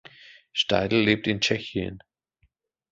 Steidl lebt in Tschechien.